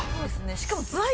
しかも。